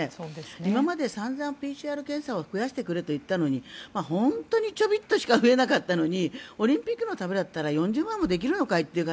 今までさんざん、ＰＣＲ検査を増やしてくれといったのに本当にちょびっとしか増えなかったのにオリンピックのためだったら４０万もできるのかという形。